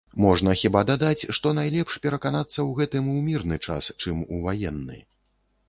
Можна хіба дадаць, што найлепш пераканацца ў гэтым у мірны час, чым у ваенны.